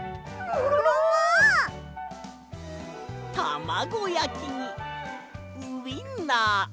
たまごやきにウインナー。